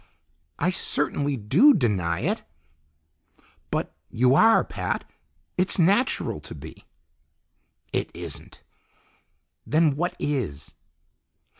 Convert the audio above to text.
"I certainly do deny it!" "But you are, Pat. It's natural to be." "It isn't!" "Then what is?"